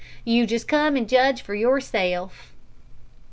You just come an' judge for yourself."